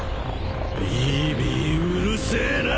ビービーうるせえな！